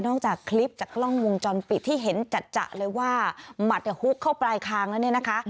จากคลิปจากกล้องวงจรปิดที่เห็นจัดเลยว่าหมัดเนี่ยฮุกเข้าปลายคางแล้วเนี่ยนะคะ